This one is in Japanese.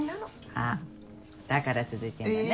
あっだから続いてんだね。